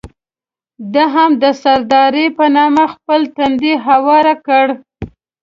ده هم د سردارۍ په نامه خپل تندی هوار کړ.